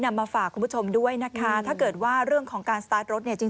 มาฝากคุณผู้ชมด้วยนะคะถ้าเกิดว่าเรื่องของการสตาร์ทรถเนี่ยจริง